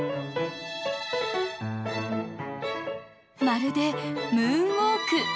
まるでムーンウォーク！